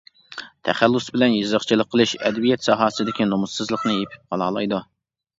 تەخەللۇس بىلەن يېزىقچىلىق قىلىش ئەدەبىيات ساھەسىدىكى نومۇسسىزلىقنى يېپىپ قالالايدۇ.